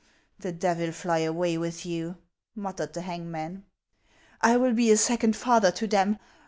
" The Devil fly away with you !" muttered the hang man. " I will be a second father to them.